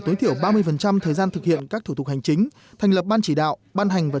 tối thiểu ba mươi thời gian thực hiện các thủ tục hành chính thành lập ban chỉ đạo ban hành và